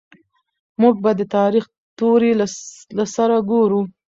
موږ به د تاريخ توري له سره ګورو.